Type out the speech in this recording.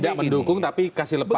tidak mendukung tapi kasih lepas